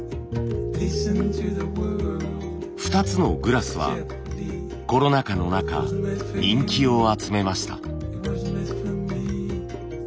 ２つのグラスはコロナ禍の中人気を集めました。